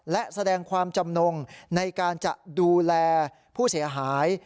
และแสดงความจำนงในการจะดูแลผู้เสียหาย